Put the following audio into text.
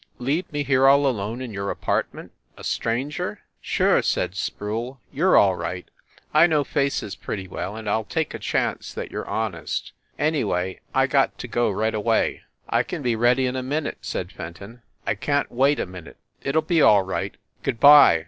Leave me here all alone in your apartment a stranger ?" "Sure !" said Sproule. "You re all right. I know faces pretty well, and I ll take a chance that you re honest. Anyway, I got to go right away." "I can be ready in a minute," said Fenton. "I can t wait a minute. It ll be all right. Good by!"